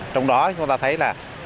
trong đó chúng ta thấy là